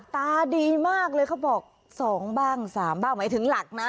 ตาดีมากเลยเขาบอก๒บ้าง๓บ้างหมายถึงหลักนะ